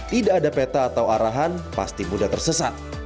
tidak ada peta atau arahan pasti mudah tersesat